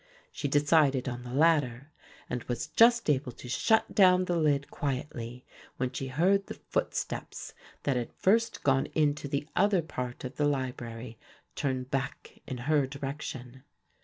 She decided on the latter, and was just able to shut down the lid quietly when she heard the footsteps that had first gone into the other part of the library turn back in her direction.